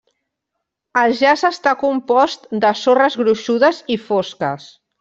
El jaç està compost de sorres gruixudes i fosques.